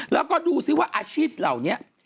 แล้วก็ดูซิว่าอาชีพเหล่านี้